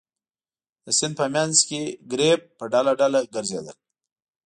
د سیند په منځ کې ګرېب په ډله ډله ګرځېدل.